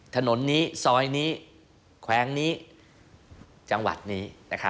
ถนนนี้ซอยนี้แขวงนี้จังหวัดนี้